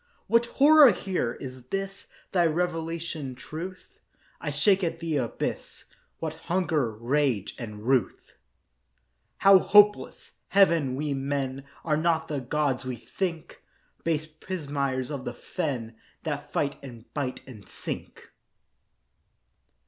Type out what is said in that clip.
What horror here! Is this Thy revelation, Truth? I shake at the abyss. What hunger, rage, and ruth, How hopeless! Heaven, we men Are not the gods we think!— Base pismires of the fen That fight and bite and sink.